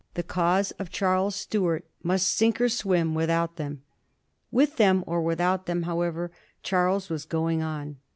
the cause of Charles Stuart must sink or swim without them* With them or without them, however, Charles was going on.